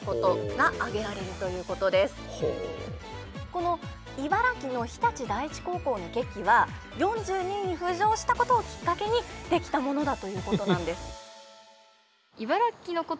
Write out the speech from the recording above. この茨城の日立第一高校の劇は４２位に浮上したことをきっかけに出来たものだということなんです。